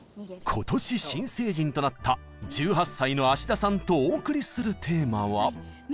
今年新成人となった１８歳の田さんとお送りするテーマは。